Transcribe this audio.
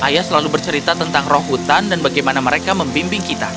ayah selalu bercerita tentang roh hutan dan bagaimana mereka membimbing kita